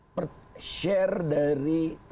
share dari transportasi laut